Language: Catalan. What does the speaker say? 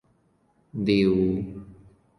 Diu...